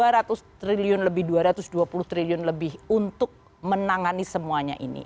rp dua ratus triliun lebih dua ratus dua puluh triliun lebih untuk menangani semuanya ini